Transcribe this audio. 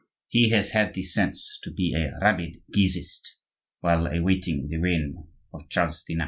He has had the sense to be a rabid Guisist while awaiting the reign of Charles IX."